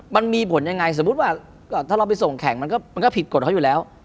มันมีผลยังไงสมมุติว่าถ้าเราไปส่งแข่งมันก็ผิดกฎเขาอยู่แล้ว